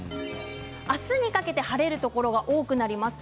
明日にかけて晴れるところが多くなります。